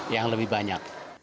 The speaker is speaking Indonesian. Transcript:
yang lebih banyak